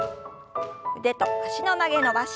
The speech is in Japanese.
腕と脚の曲げ伸ばし。